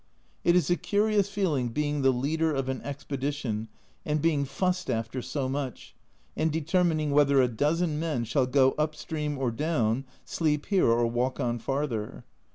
It is a curious feeling being the leader of an expedi tion and being fussed after so much, and determin ing whether a dozen men shall go up stream or down, sleep here or walk on farther.